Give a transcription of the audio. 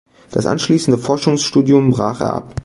Das anschließende Forschungsstudium brach er ab.